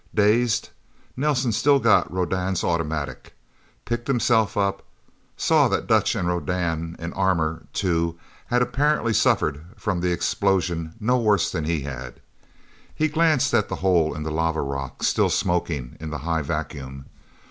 Dazed, Nelsen still got Rodan's automatic, picked himself up, saw that Dutch and Rodan, in armor, too, had apparently suffered from the explosion no worse than had he. He glanced at the hole in the lava rock, still smoking in the high vacuum.